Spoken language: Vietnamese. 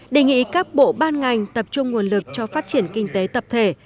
đề nghị các bộ ban ngành tập trung nguồn lực cho phát triển kinh tế tập thể